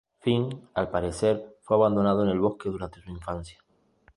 Finn al parecer fue abandonado en el bosque durante su infancia.